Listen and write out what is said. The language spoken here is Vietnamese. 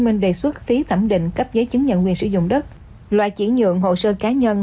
minh đề xuất phí thẩm định cấp giấy chứng nhận quyền sử dụng đất loại chuyển nhượng hồ sơ cá nhân